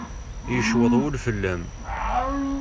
Yecweḍ wul fell-am.